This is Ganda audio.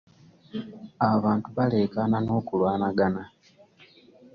Abantu baleekaana n'okulwanagana.